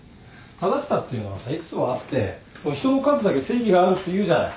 正しさっていうのはさ幾つもあって人の数だけ正義があるっていうじゃない。